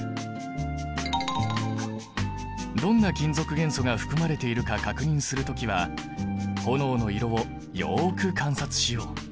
どんな金属元素が含まれているか確認する時は炎の色をよく観察しよう。